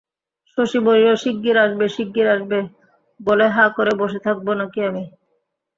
শশী বলিল, শিগগির আসবে শিগগির আসবে বলে হাঁ করে বসে থাকব নাকি আমি?